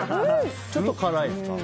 ちょっと辛いですか？